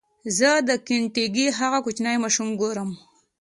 زه د کینټکي هغه کوچنی ماشوم ګورم.